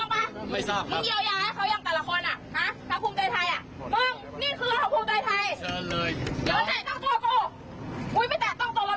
เกาะเจ้ามาไร้โครง